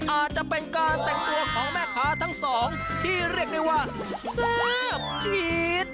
อาจจะเป็นการแต่งตัวของแม่ค้าทั้งสองที่เรียกได้ว่าแซ่บจี๊ด